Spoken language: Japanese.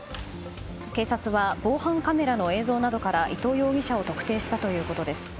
警察は防犯カメラの映像などから伊藤容疑者を特定したということです。